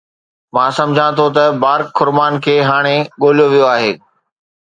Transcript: مان سمجهان ٿو ته بارڪ خرمان کي هاڻي ڳوليو ويو آهي